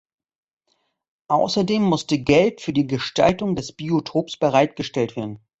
Außerdem musste Geld für die Gestaltung des Biotops bereitgestellt werden.